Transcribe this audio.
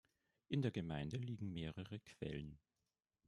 In der Gemeinde liegen mehrere Quellen.